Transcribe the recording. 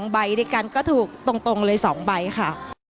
ใบด้วยกันก็ถูกตรงเลย๒ใบค่ะ